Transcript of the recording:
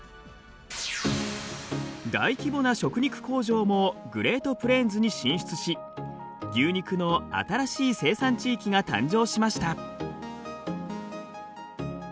大規模な食肉工場もグレートプレーンズに進出し牛肉の新しい生産地域が誕生しました。